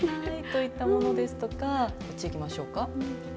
こういったものですとかこっちいきましょうか。